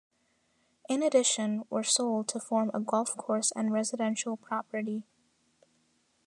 In addition, were sold to form a golf course and residential property.